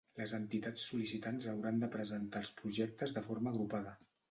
Les entitats sol·licitants hauran de presentar els projectes de forma agrupada.